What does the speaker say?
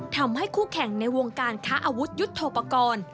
ทำให้คู่แข่งในวงการค้าอาวุธยุทธโปรกรณ์